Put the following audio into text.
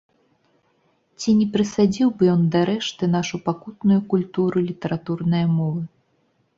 Ці не прысадзіў бы ён дарэшты нашу пакутную культуру літаратурнае мовы?